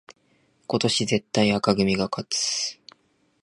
今年絶対紅組が勝つ